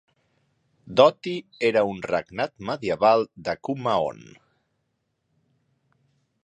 Doti era un regnat medieval de Kumaon.